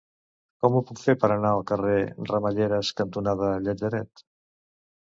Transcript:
Com ho puc fer per anar al carrer Ramelleres cantonada Llatzeret?